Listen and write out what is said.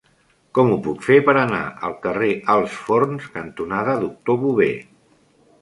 Com ho puc fer per anar al carrer Alts Forns cantonada Doctor Bové?